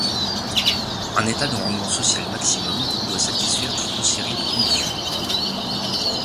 Un état de rendement social maximum doit satisfaire toute une série de conditions.